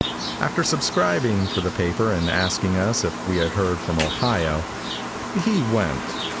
After subscribing for the paper and asking us if we had heard from Ohio, he went.